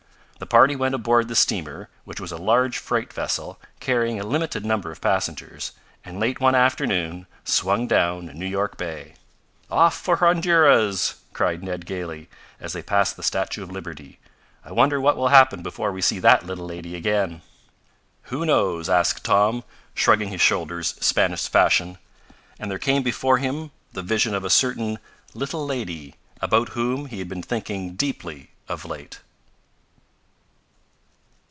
The party went aboard the steamer, which was a large freight vessel, carrying a limited number of passengers, and late one afternoon swung down New York Bay. "Off for Honduras!" cried Ned gaily, as they passed the Statue of Liberty. "I wonder what will happen before we see that little lady again." "Who knows?" asked Tom, shrugging his shoulders, Spanish fashion. And there came before him the vision of a certain "little lady," about whom he had been thinking deeply of late.